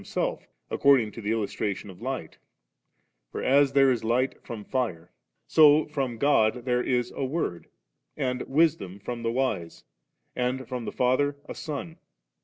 Himself, according to the illustration of light For as there is light from fire» so from God is there a Word, and Wisdom from the Wise, and from the Father a Son.